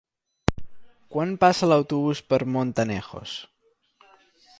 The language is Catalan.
Quan passa l'autobús per Montanejos?